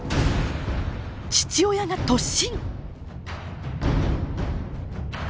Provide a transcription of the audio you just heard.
父親が突進！